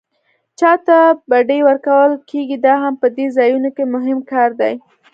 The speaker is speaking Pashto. چاته بډې ورکول کېږي دا هم په دې ځایونو کې مهم کار دی.